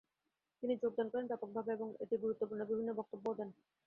তিনি যোগদান করেন ব্যাপকভাবে এবং এতে গুরুত্বপূর্ণ বিভিন্ন বক্তব্যও দেন।